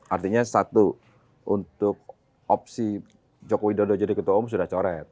artinya satu untuk opsi joko widodo jadi ketua umum sudah coret